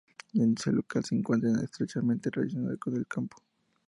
La industria local se encuentra estrechamente relacionada con el campo.